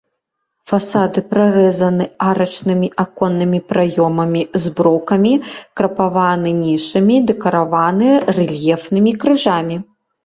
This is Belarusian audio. Фасады прарэзаны арачнымі аконнымі праёмамі з броўкамі, крапаваны нішамі, дэкарыраваны рэльефнымі крыжамі.